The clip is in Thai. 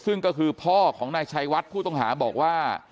ซึ่งก็คือพ่อของนายชัยวัดผู้ต้องหาบอกว่า